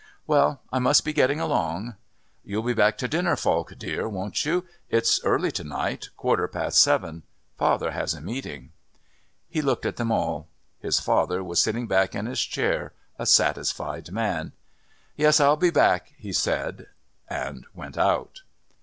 "Well, I must be getting along." "You'll be back to dinner, Falk dear, won't you? It's early to night. Quarter past seven. Father has a meeting." He looked at them all. His father was sitting back in his chair, a satisfied man. "Yes, I'll be back," he said, and went out.